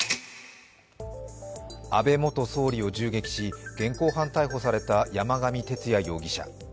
安倍元総理を銃撃し現行犯逮捕された山上徹也容疑者。